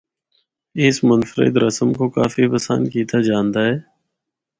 اس منفرد رسم کو کافی پسند کیتا جاندا اے۔